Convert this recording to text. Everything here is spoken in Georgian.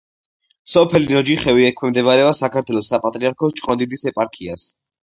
სოფელი ნოჯიხევი ექვემდებარება საქართველოს საპატრიარქოს ჭყონდიდის ეპარქიას.